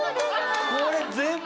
これ全部？